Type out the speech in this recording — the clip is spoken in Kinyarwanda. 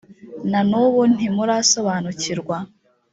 na n’ubu ntimurasobanukirwa